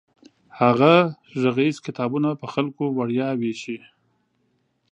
هغه غږیز کتابونه په خلکو وړیا ویشي.